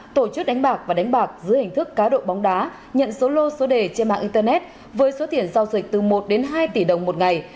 tổ chức đánh bạc và đánh bạc dưới hình thức cá độ bóng đá nhận số lô số đề trên mạng internet với số tiền giao dịch từ một đến hai tỷ đồng một ngày